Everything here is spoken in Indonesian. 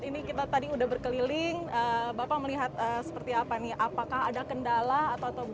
ini kita tadi udah berkeliling bapak melihat seperti apa nih apakah ada kendala atau